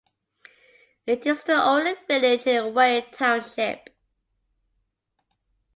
It is the only village in Wayne Township.